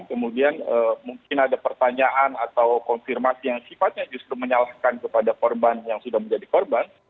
kemudian mungkin ada pertanyaan atau konfirmasi yang sifatnya justru menyalahkan kepada korban yang sudah menjadi korban